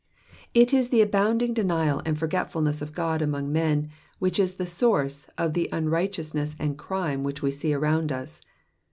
It is the abounding denial and forgetfulness of God among men which is the source of the unrighteousness and crime which we see around us.